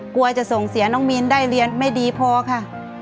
กลัวจะส่งเสียน้องมีนได้เรียนไม่ดีพอค่ะ